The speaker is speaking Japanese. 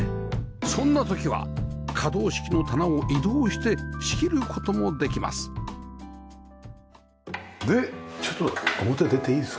そんな時は可動式の棚を移動して仕切る事もできますでちょっと表出ていいですか？